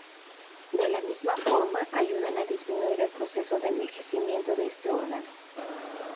De la misma forma, ayudan a disminuir el proceso de envejecimiento de este órgano.